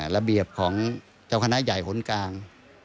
ระเบียบของเจ้าคณะใหญ่หนกลาง